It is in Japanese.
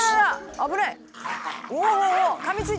危ない！